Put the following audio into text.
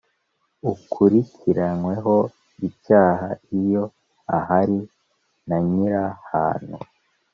Ukurikiranyweho icyaha iyo ahari na nyir ahantu